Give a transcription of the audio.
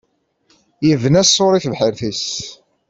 Yebna ṣṣuṛ i tebḥirt-is.